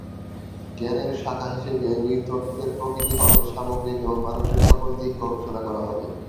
জ্ঞানের শাখা হিসেবে নৃতত্ত্বের প্রকৃতি হবে সামগ্রিক এবং মানুষের সকল দিক গবেষণা করা হবে।